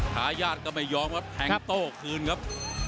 ข้าญาติก็ไม่ยอมแทงโต้คืนครับ